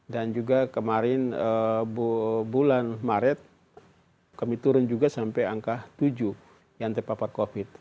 dan juga kemarin bulan maret kami turun juga sampai angka tujuh yang terpapar covid